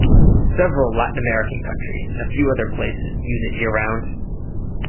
Several Latin American countries and a few other places use it year round.